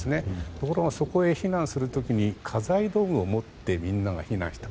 ところが、そこへ避難する時に家財道具を持ってみんなが避難した。